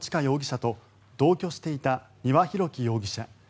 容疑者と同居していた丹羽洋樹容疑者